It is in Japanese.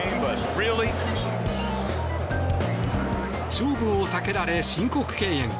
勝負を避けられ、申告敬遠。